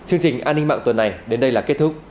an ninh mạng tuần này đến đây là kết thúc